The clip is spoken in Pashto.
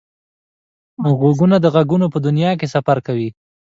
غوږونه د غږونو په دنیا کې سفر کوي